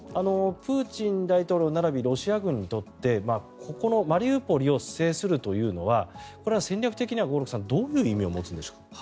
プーチン大統領並びにロシア軍にとってここのマリウポリを制するというのはこれは戦略的には合六さんどういう意味を持つんでしょう。